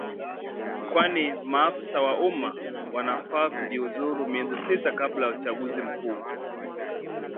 kwani maafisa wa umma wanafaa kujiuzulu miezi sita kabla ya uchaguzi mkuu